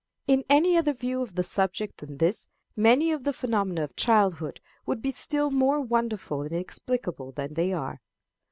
In any other view of the subject than this, many of the phenomena of childhood would be still more wonderful and inexplicable than they are.